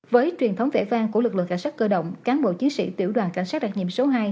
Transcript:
với truyền thống vẽ vang của lực lượng cảnh sát cơ động cán bộ chiến sĩ tiểu đoàn cảnh sát đặc nhiệm số hai